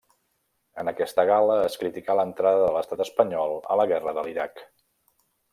En aquesta gala es criticà l'entrada de l'estat espanyol a la guerra de l'Iraq.